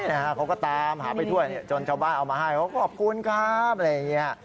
เขาก็ตามหาไปถ้วยจนชาวบ้านเอามาให้เขาขอบคุณครับอะไรอย่างนี้